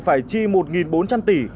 phải chi một bốn trăm linh tỷ